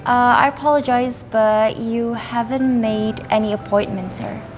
ehm saya sampaikan tapi kamu belum bikin appointment